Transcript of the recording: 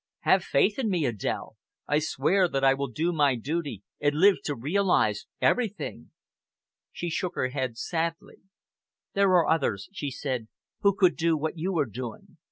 Have faith in me, Adèle. I swear that I will do my duty and live to realize everything." She shook her head sadly. "There are others," she said, "who could do what you are doing.